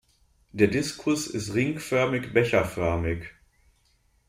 Der Diskus ist ringförmig-becherförmig.